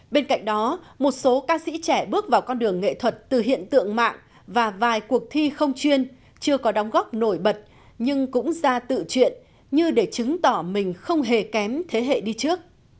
bên cạnh đó một số ca sĩ trẻ bước vào con đường nghệ thuật từ hiện tượng mạng và vài cuộc thi không chuyên chưa có đóng góp nổi bật nhưng cũng ra tự chuyện như để chứng tỏ mình không hề kém thế hệ đi trước